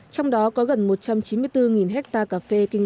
trong đó có gần một trăm chín mươi bốn hectare cà phê kinh